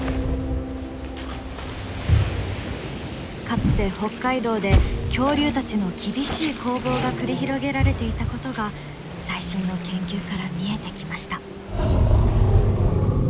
かつて北海道で恐竜たちの厳しい攻防が繰り広げられていたことが最新の研究から見えてきました。